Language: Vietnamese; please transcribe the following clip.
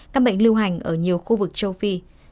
các bệnh lưu hành ở nhiều khu vực châu phi